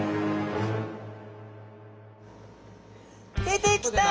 出てきた！